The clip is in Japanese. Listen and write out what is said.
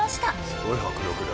すごい迫力だ。